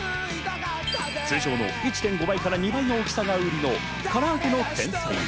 通常の１．５倍から２倍の大きさが売りのから揚げの天才。